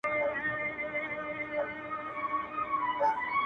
چت يم نړېږمه د عمر چي آخره ده اوس”